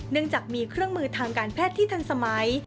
จากมีเครื่องมือทางการแพทย์ที่ทันสมัย